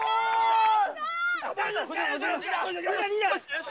よし！